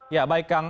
ya baik kang